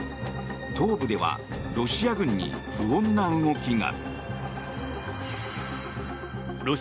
東部ではロシア軍に不穏な動きが。